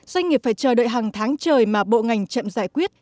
doanh nghiệp phải chờ đợi hàng tháng trời mà bộ ngành chậm giải quyết